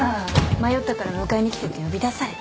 迷ったから迎えに来てって呼び出されて。